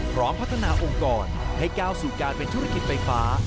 พร้อมพัฒนาองค์กรให้ก้าวสู่การเป็นธุรกิจไฟฟ้า